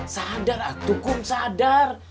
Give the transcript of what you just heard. sadar atukum sadar